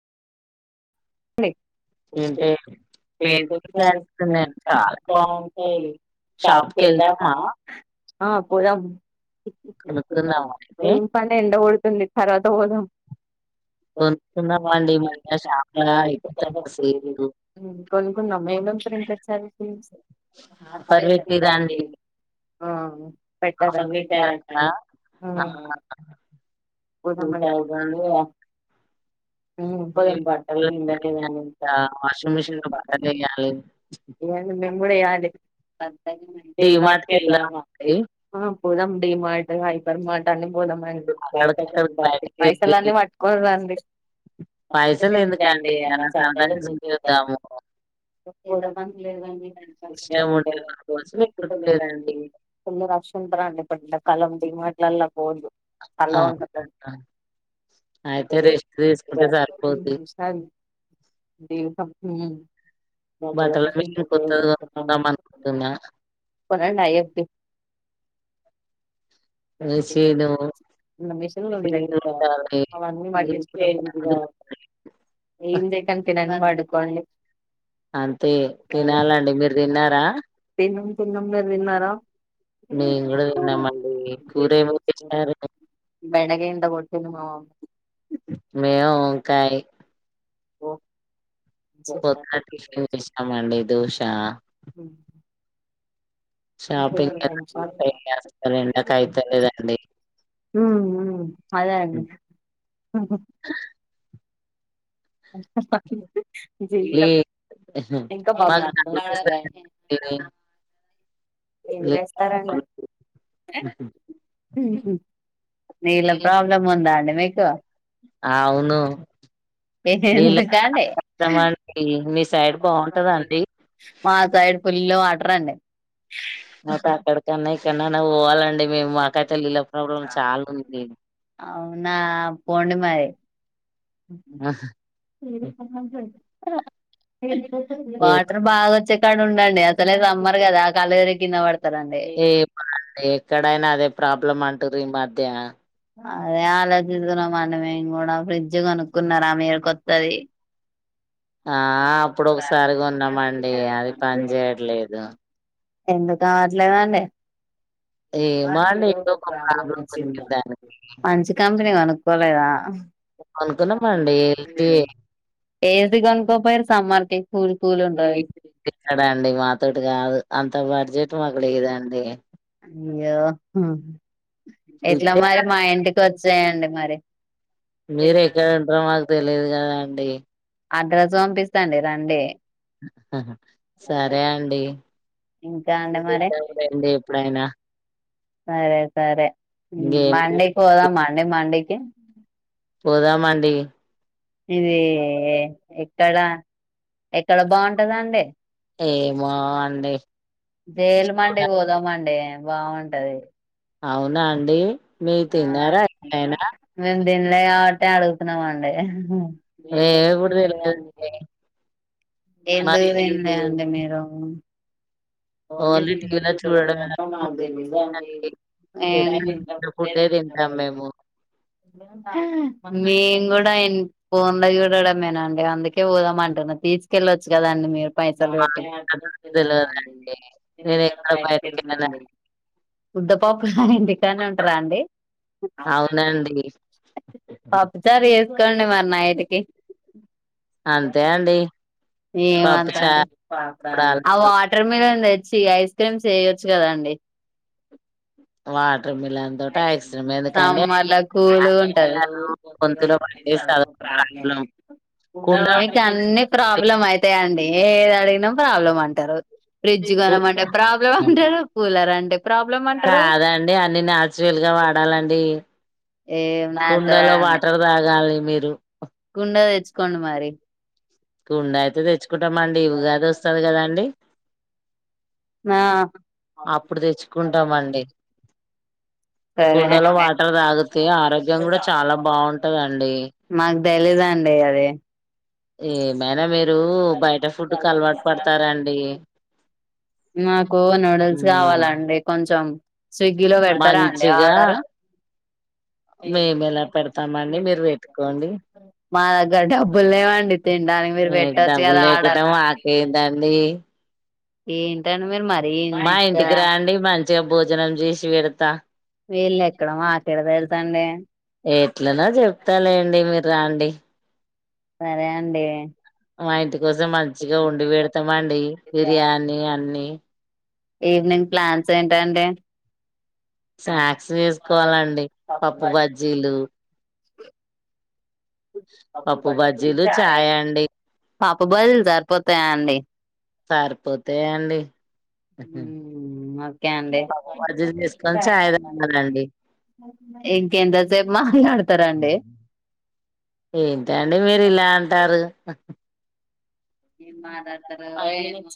ఏంటె ఎంచేత్తున్నవ్ [unintelligible] చాల బాగు బావుంటాయి షాప్కెల్దామా షాప్‌కెళ్దామా ఆ పోదం కొనుక్కుందామా అయితే? ఎమ్ పన్ ఎండగొడ్తుంది తర్వాత వోదం కొనుక్కున్నమండి [unintelligible] ఉమ్ ఎం కొనుక్కున్నం ఆఫర్ [unintelligible] అండి పెట్టిర్రండి అ పెట్టరవీటారట కరెక్టా? [unintelligible] ఆ కూసుండుండు అయిపోయింది ఇగ [unintelligible] అది విండలెందండి ఇంక వాషింగ్ ఇడిషుంది మిషన్‌లో పక్కకే బట్టలేయాలి. లేదండి మేమ్ డి మార్ట్ కి ఎలదామా అండీ డీమార్ట్‌కెళ్దామండి. పొదమ్ డి మార్ట్ హైపర్ మార్ట్ అన్ని అక్కడికక్కడికి బయటికెళ్ళి పైసలన్ని పట్టుకొని రండి ండి పైసలెందుకండి అల అలా సరదాగా చూసాద్దాం చూసేద్దాము. ఇష్టముంటే అసలు కుట్టలేదండి. ఫుల్ రష్ ంటరండి ఇప్ప ఎండాకాలం డిమార్ట్ లాళ్లకు పోద్దు అల అవునా! అయితే రెస్ట్ తీసుకుంటే [unintelligible] సరిపోద్ది. ఉమ్ డీ మా ఉమ్ మాకు బట్టల లొకేషన్ మిషన్ పెడితే కొత్తది మ్ చేద్దామా కొనుక్కుందామనుకుంటున్నా. అనుకుంటున్నా and I F C machine అవన్నీ పట్టిచ్చుకుంటే ఏం దేకన్ తినగపడుకోండి అంతే తినాలండి మీర్ తిన్నారా తిన్నం మీర్ తిన్నారా నేన్ గుడ తిన్నం అండి కూర ఏమి చేసినారు బెండకాయ ఇంత కొట్టింది మా మేము వంకాయ్ ఒ కొత్త టేస్టు చేశ్నమండి దోశ షాపింగ్ [unintelligible] ఎండక్ అయ్తలేదండి ఉమ్ ఉమ్ అదే అండి విజీల్లా లీ ఇంక బా మాకు [unintelligible] చలి ఏంచేస్తారండీ వేస్తుంది. నీళ్ళ ప్రాబ్లం ఉందా అండి మీకు ఔను నీళ్లక్ చాలా కష్టం అండి మీ సైడ్ బాగుంటదా అండి మా సైడ్ పుల్ల్ వాటరండి మత అక్కడ్కన్నా ఎక్కన్నన్న వోవాలండి మేము మాకైతే లీళ్ల ప్రాబ్లం చాలుంది ఔనా పోండి మరి ఏ వాటర్ బాగొచ్చె క్కడ్ ఉండండి అసలే సమ్మర్ కదా కళ్ళు దిరిగి కింద వడ్ ఏ మో అండీ ఎక్కడైనా అదే ప్రాబ్లం అంటుర్రు ఈ మధ్య అదే ఆలోచిస్తున్నామండి మేము కూడా ఫ్రిడ్జ్ కొనుక్కున్నారా మీర్ కొత్తది ఆహ్ అప్పుడు ఒక్సారి కొన్నమండి అది పనిచేయట్లేదు. ఎందుకు కావట్లేదండి ఏమో అండి ఏదో ఒక ప్రాబ్లం వచ్చిందని మంచి కంపెనీ కోనుకోలేదా. కోనుకున్నామ్ అండి ఇదే. ఏసీ కోనుకోపోయారు సామ్మార్కి కూల్. ఎక్కడండి మాతోటి కాదు అంత బడ్జెట్ మాకు లేదండి. అయ్యో హు ఎట్లా ఫ్రిడ్జే మరి మా ఇంటికి వచ్చ్. వచ్చేయండి మరి. మీరెక్కడ ఉంటారో మాకు తెలియదు కదాండి. అడ్రస్ పంపిస్తాండి రండి. ఆహ్ సరే అండి పంపియండి ఎప్పుడైనా. సరే సరే ఉమ్ ఇంకేం మండికి పోదామా అండి మండికి. పోదాం అండి. ఏ. ఎక్కడ ఎక్కడ బాగుంటదండి. అంటె. జైల్మండికి పోదాం అండి బాగుంటది. అవునా అండి మీర్ తిన్నారా ఎపుడైనా. తిన్లె కాబట్టే అడుగుతున్నామ్ అండి. నేను కూడ హెల్ప్ [unintelligible] ఏందో [unintelligible] ఏంలే [unintelligible] అండి మీరు. ఓన్లీ త్రి టైమ్స్ టీవీలో ఎపుడైనా చూడడమే అండి ఎప్పుడు ఇంట్లో ఫుడ్డే తింటాం మేము [unintelligible] ఆహ్ ఏం [unintelligible] మేమ్ కూడా ఇన్ ఫోన్లో చూడడమే నండి అందుకే పోదామంటున్నా. తీసుకెళ్ళొచ్చు కదండి మీరు పైసలు పెట్టి. మాకిక్కడ తెలవదండి నేను ఎక్కడ బయటకి వెళ్ళను ముద్దపప్పులగ ఇంటికడ్నె ఉంటారా అండి. అవునండి పప్పుచారు. ఉండు మరి నైటికి. అంతే అండి పప్పు ఏమంటండి చారు ఆవ్ అప్పడాలు, వాటర్ మిలన్. చ్చి ఐస్ క్రీమ్స్ చేయెచ్చు కదండి. వాటర్ మిలన్ తోటి ఐస్ క్రీమ్ అవును ఎందుకండి మల్ల కూలుగా ఐస్ ఉంటది. వాటరు [unintelligible] మీకు అన్ని ప్రాబ్లం అయితాయండి ఏది అడిగినా ప్రాబ్లమ్ అంటారు ఫ్రిడ్జ్. కొనమంటే ప్రాబ్లం అంటారు కూలర్ అంటే ప్రాబ్లం అంటారు కాదండి అన్ని నాచురల్ గా వాడాల. ఏం కుండలో నాతోరాదండి వాటర్ తాగాలి మీరు. కుండ తెచ్చుకోండి మరి కుండ అయితే తెచ్చుకుంటాం అండి ఉగాది ఓస్తది కదాండి. ఆ అప్పుడు తెచ్చుకుంటామండి. సరే కుండలో వాటర్ నేను తాగితే ఆరోగ్యం కూడా చాలా [unintelligible] బాగుంటదండి తెలిదండి అది. ఏమైనా మీరు బయట ఫుడ్కు అలవాటు పడతారండి. నాకు నూడిల్స్ ఉమ్ కావాలండి కొంచెం. స్విగ్గీ లో పెడతారా అండి మంచిగా ఆర్డరు. మేము ఎలా పెడతామండి మీరు పెట్టుకోండి మా దగ్గర డబ్బులేవ్వండి. తిన్డానికి మీరు మీకు పెట్టొచ్చు డబ్బులు కదా ఆర్డర్. లేకటం మాకేందండి ఏంటండి మీరు మరీ మా ఇంత ఇంటికి రండి మంచిగా భోజనం చేసి పెడతా. మీఇల్లు ఎక్కడ మాకెడ తెల్సండి. ఎట్లనో చెప్తా లేండి మీరు రండి. సరే అండి. మా ఇంటి కోస్తే మంచిగా ఓన్డి పెడతామండి బిర్యానీ అన్ని. ఈవినింగ్ ప్లాన్స్ ఏంటండి స్నాక్స్ వేసుకోవాలండి పప్పు బజ్జీలు పప్పు బజ్జీలు చాయ్ అండి పాప బదులు సరిపోతాయా అండి. సరిపోతయండి. ఉమ్ ఓకే అండి పప్పు బజ్జీలు చేసుకొని చాయ్ తాగాలండి ఇంకెంతసేపు మాట్లాడతరండి ఏంటండి మీరు ఇలా అంటారు ఎమ్ మాట్లాడతారో ఏమో